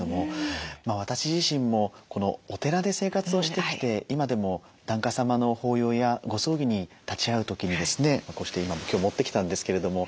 私自身もお寺で生活をしてきて今でも檀家様の法要やご葬儀に立ち会う時にですねこうして今も今日持ってきたんですけれども。